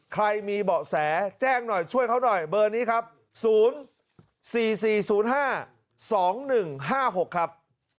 ใครมีเบาะแสแจ้งหน่อยช่วยเขาหน่อยเบอร์นี้ครับ๐๔๔๐๕๒๑๕๖ครับ